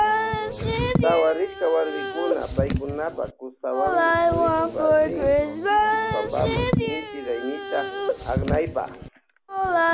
Sawarishka warmikuna paykunapa kusawanmi purishpa rin kiti pampama inti raymita aknaypa.